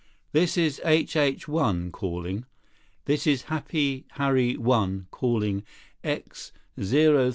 "This is H H One, calling. This is Happy Harry One calling X 0369.